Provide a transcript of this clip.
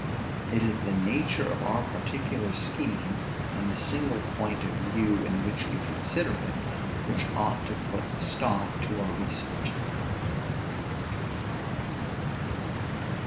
It is the nature of our particular scheme, and the single point of view in which we consider it, which ought to put a stop to our researches.